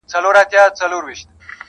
• خدایه مینه د قلم ورکي په زړو کي,